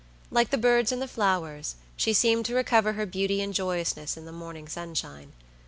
Like the birds and the flowers, she seemed to recover her beauty and joyousness in the morning sunshine.